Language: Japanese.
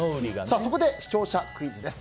そこで、視聴者クイズです。